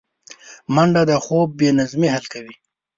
منډه د خوب بې نظمۍ حل کوي